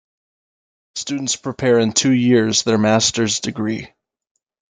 Students prepare in two years their Master's degree.